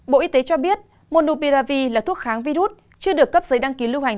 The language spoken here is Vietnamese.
bộ y tế cho biết monoupiravi là thuốc kháng virus chưa được cấp giấy đăng ký lưu hành